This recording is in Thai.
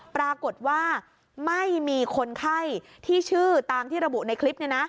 ปรากฏว่าไม่มีคนไข้ที่ชื่อตามที่ระบุในคลิป